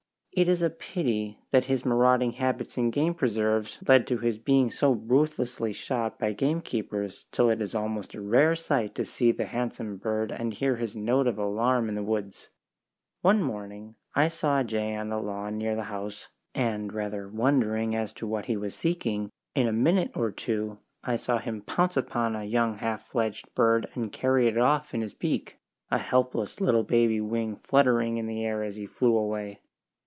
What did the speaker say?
It is a pity that his marauding habits in game preserves lead to his being so ruthlessly shot by gamekeepers till it is almost a rare sight to see the handsome bird and hear his note of alarm in the woods. One morning I saw a jay on the lawn near the house, and rather wondering as to what he was seeking, in a minute or two I saw him pounce upon a young half fledged bird and carry it off in his beak, a helpless little baby wing fluttering in the air as he flew away.